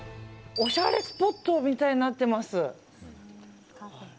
おしゃれスポットみたいになってます。